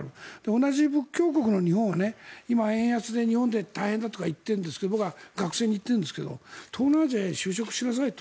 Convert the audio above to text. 同じ仏教国の日本は今、円安で日本で大変だとか言っているんですが僕は学生に言ってるんですけど東南アジアに就職しなさいと。